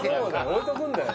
置いとくんだよ